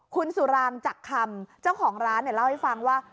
คุณสุรางจักรคำเจ้าของร้านเนี่ยเล่าให้ฟังว่า